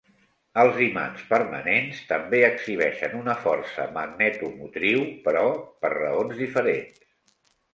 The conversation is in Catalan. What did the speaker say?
Els imants permanents també exhibeixen una força magnetomotriu, però per raons diferents.